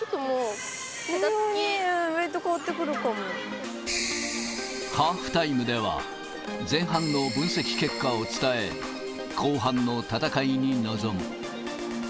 微妙にウエート変わってくるハーフタイムでは、前半の分析結果を伝え、後半の戦いに臨む。